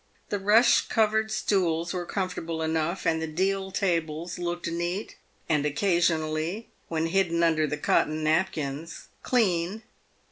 The rush covered stools were comfortable enough, and the deal tables looked neat, and occasionally, when hidden under the cotton napkins, clean.